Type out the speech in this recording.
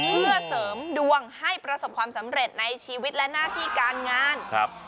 เพื่อเสริมดวงให้ประสบความสำเร็จในชีวิตและหน้าที่การงานครับ